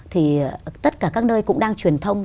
thì tất cả các nơi cũng đang truyền thông